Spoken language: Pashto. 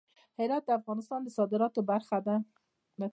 هرات د افغانستان د صادراتو برخه ده.